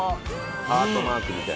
ハートマークみたい。